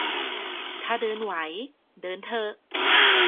ถ้าเดินไหว เดินเถอะ